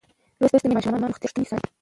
لوستې میندې د ماشومانو د روغتیا پوښتنې څاري.